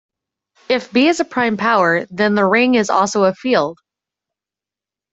If "b" is a prime power, then the ring is also a field.